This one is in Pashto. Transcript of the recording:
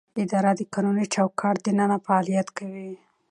اداره د قانوني چوکاټ دننه فعالیت کوي.